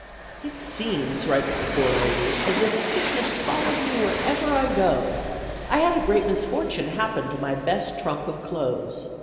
"It seems," writes the poor lady, "as if sickness followed me wherever I go ... I had a great misfortune happen to my best trunk of clothes.